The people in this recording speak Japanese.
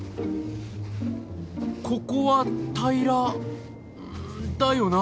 ここは平らだよな。